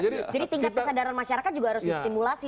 jadi tingkat kesadaran masyarakat juga harus disimulasi sebetulnya